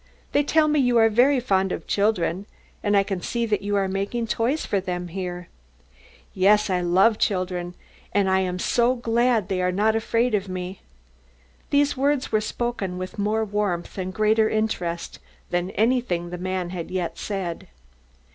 "They tell me you are very fond of children, and I can see that you are making toys for them here." "Yes, I love children, and I am so glad they are not afraid of me." These words were spoken with more warmth and greater interest than anything the man had yet said.